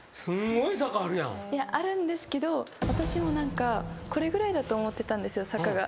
あるんですけど私も何かこれぐらいだと思ってたんですよ坂が。